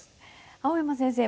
青山先生